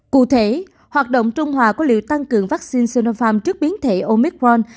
cụ thể hoạt động trung hòa của liều tăng cường vaccine sinopharm trước biến thể omicron